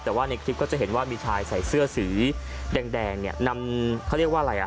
แต่ว่าในคลิปก็จะเห็นว่ามีชายใส่เสื้อสีแดงเนี่ย